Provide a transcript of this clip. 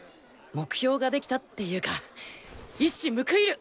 目標ができたっていうか一矢報いる！